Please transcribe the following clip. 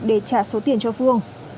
để trả số tiền cho phương